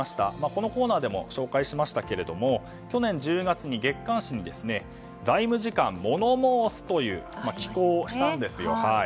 このコーナーでも紹介しましたが去年１０月に月刊誌に財務次官モノ申すという寄稿をしたんですよ。